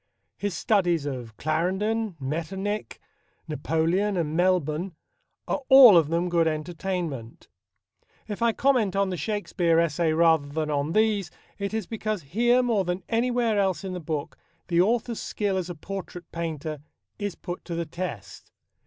His studies of Clarendon, Metternich, Napoleon and Melbourne are all of them good entertainment. If I comment on the Shakespeare essay rather than on these, it is because here more than anywhere else in the book the author's skill as a portrait painter is put to the test.